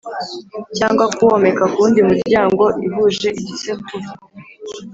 cyangwa kuwomeka ku wundi muryango ihuje igisekuru